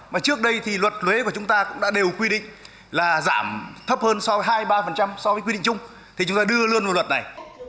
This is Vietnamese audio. mà trước đây thì luật thuế của chúng ta cũng đã đều quy định là giảm thấp hơn so với hai mươi ba so với quy định chung thì chúng ta đưa luôn vào luật này